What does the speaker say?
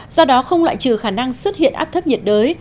do đó không loại trừ khả năng xuất hiện áp thấp nhiệt đới